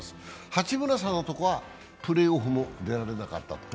八村さんのところはプレーオフも出られなかった。